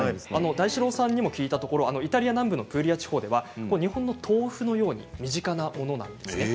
大志郎さんにも聞いたところイタリア南部のプーリア地方では日本の豆腐のように身近なものなんです